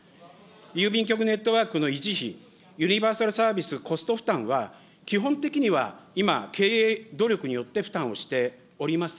郵便局ネットワークの維持費、ユニバーサルサービスコスト負担は、基本的には、今、経営努力によって負担をしております。